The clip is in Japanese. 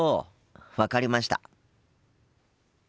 分かりました。